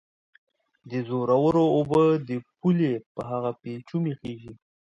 د زورورو اوبه د پولې په هغه پېچومي خېژي